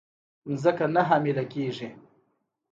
مځکه نه حامله کیږې